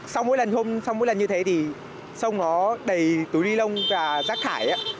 sau mỗi lần như thế thì sông nó đầy túi ni lông và rác khải